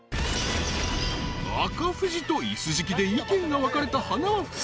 ［赤富士と椅子敷きで意見が分かれたはなわ夫妻］